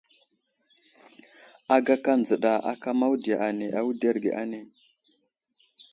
Agaka dzəka aka mawudiya ane awuderge ane .